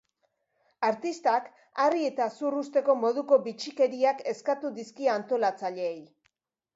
Artistak harri eta zur uzteko moduko bitxikeriak eskatu dizkie antolatzaileei.